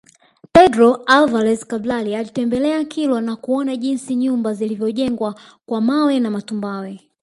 Pedro Alvares Cabral alitembelea Kilwa na kuona jinsi nyumba zilivyojengwa kwa mawe na matumbawe